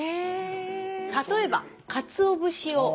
例えばかつおぶしを。